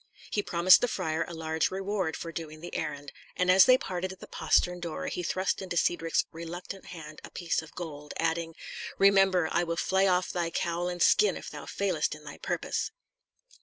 He promised the friar a large reward for doing the errand, and as they parted at the postern door he thrust into Cedric's reluctant hand a piece of gold, adding, "Remember, I will flay off thy cowl and skin if thou failest in thy purpose."